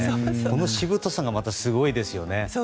このしぶとさがまたすごいですよね。